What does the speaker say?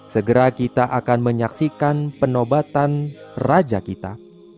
segera kita akan menyaksikan penobatan raja kita